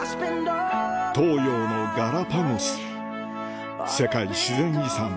東洋のガラパゴス世界自然遺産